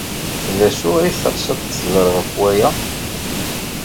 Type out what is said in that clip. D acu ay teɣs ad t-tẓer ɣef waya?